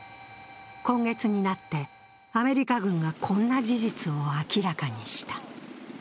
今月になってアメリカ軍がこんな事実を明らかにした。